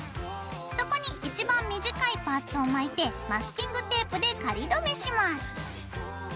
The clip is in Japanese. そこにいちばん短いパーツを巻いてマスキングテープで仮どめします。